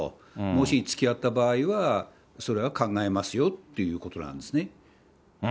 もしつきあった場合は、それは考えますよということなんですね。